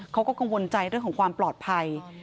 เขาก็กังวลใจเรื่องของความปลอดภัย